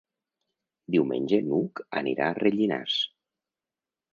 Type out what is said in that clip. Diumenge n'Hug anirà a Rellinars.